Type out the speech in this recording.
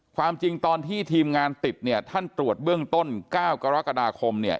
ความจริงตอนที่ทีมงานติดเนี่ยท่านตรวจเบื้องต้น๙กรกฎาคมเนี่ย